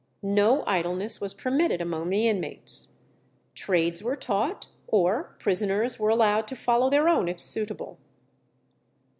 No idleness was permitted among the inmates. Trades were taught, or prisoners were allowed to follow their own if suitable.